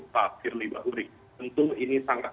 pak firly bahuri tentu ini sangat